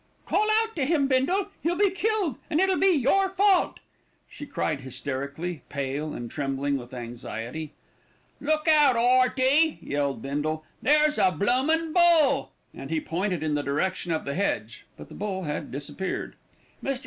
"Call out to him, Bindle. He'll be killed, and it'll be your fault," she cried hysterically, pale and trembling with anxiety. "Look out, 'Earty!" yelled Bindle. "There's a bloomin' bull," and he pointed in the direction of the hedge; but the bull had disappeared. Mr.